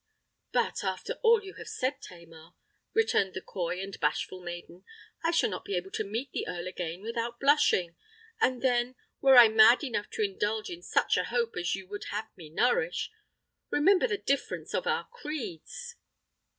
"But, after all you have said, Tamar," returned the coy and bashful maiden, "I shall not be able to meet the Earl again without blushing! And then—were I mad enough to indulge in such a hope as you would have me nourish—remember the difference of our creeds!"